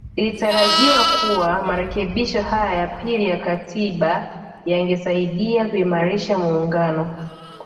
Ilitarajiwa kuwa marekebisho haya ya pili ya Katiba yangesaidia kuimarisha muungano